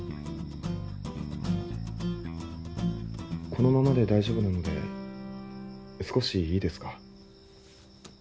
このままで大丈夫なので少しいいですか？